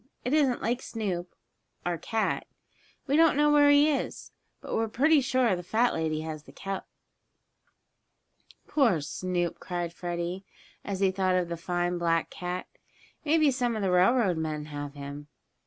It isn't like Snoop, our cat. We don't know where he is, but we're pretty sure the fat lady has the cup." "Poor Snoop!" cried Freddie, as he thought of the fine black cat. "Maybe some of the railroad men have him."